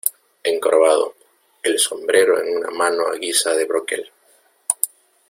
encorvado, el sombrero en una mano a guisa de broquel ,